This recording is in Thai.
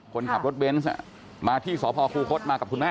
คนขับรถเบนส์มาที่สพคูคศมากับคุณแม่